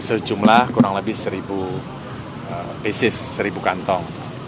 sejumlah kurang lebih seribu basis seribu kantong